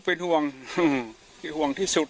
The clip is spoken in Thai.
เป็นห่วงที่สุด